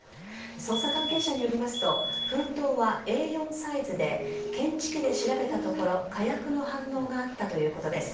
捜査関係者によりますと封筒はＡ４サイズで検知器で調べたところ火薬の反応があったということです。